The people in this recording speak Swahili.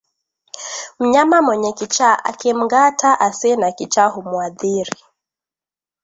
Mnyama mwenye kichaa akimngata asiye na kichaa humuathiri